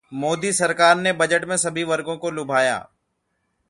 मोदी सरकार ने बजट में सभी वर्गों को लुभाया